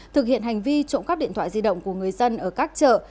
thực hiện hành vi trộm cắp điện thoại di động của người dân ở các chợ